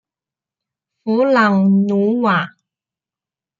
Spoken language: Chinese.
弗朗努瓦。